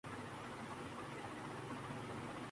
اقرا عزیز کے جذباتی نوٹ پر یاسر حسین کا مزاحیہ جواب